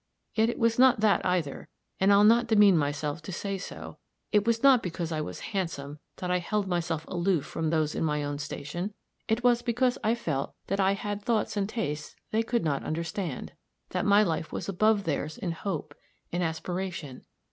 Yet it was not that, either, and I'll not demean myself to say so it was not because I was handsome that I held myself aloof from those in my own station; it was because I felt that I had thoughts and tastes they could not understand that my life was above theirs in hope, in aspiration.